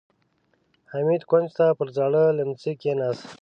حميد کونج ته پر زاړه ليمڅي کېناست.